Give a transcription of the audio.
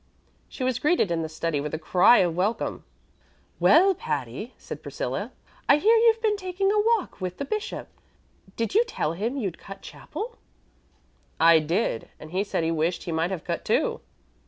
She was greeted in the study with a cry of welcome. "Well, Patty," said Priscilla, "I hear you've been taking a walk with the bishop. Did you tell him you'd cut chapel?" "I did; and he said he wished he might have cut, too."